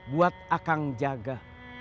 buat akang jaga